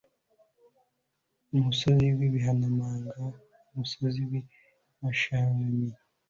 musozi w'ibihanamanga, musozi w'i bashani